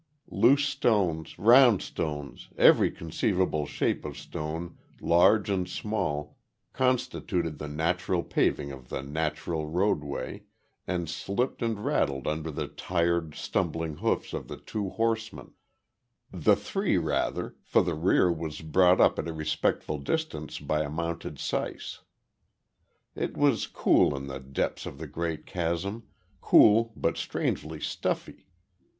Loose stones, round stones, every conceivable shape of stone, large and small, constituted the natural paving of the natural roadway, and slipped and rattled under the tired, stumbling hoofs of the two horsemen; the three rather, for the rear was brought up at a respectful distance by a mounted syce. It was cool in the depths of the great chasm, cool but strangely stuffy.